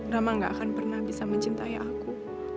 rama gak akan pernah bisa mencintai aku